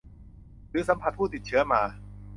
หรือสัมผัสผู้ติดเชื้อมา